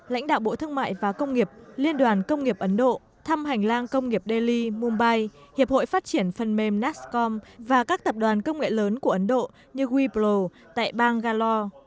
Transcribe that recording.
lãnh đạo bộ thương mại và công nghiệp liên đoàn công nghiệp ấn độ thăm hành lang công nghiệp delhi mumbai hiệp hội phát triển phần mềm nascom và các tập đoàn công nghệ lớn của ấn độ như wepro tại bang galo